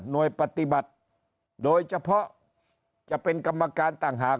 โดยปฏิบัติโดยเฉพาะจะเป็นกรรมการต่างหาก